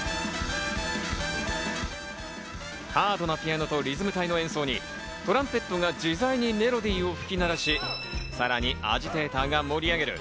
ハードなピアノとリズム隊の演奏にトランペットが自在にメロディーを吹き鳴らし、さらにアジテーターが盛り上げる。